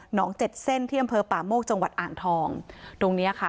งเจ็ดเส้นที่อำเภอป่าโมกจังหวัดอ่างทองตรงเนี้ยค่ะ